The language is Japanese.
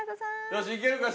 よしいけるか？